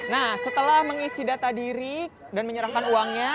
nah setelah mengisi data diri dan menyerahkan uangnya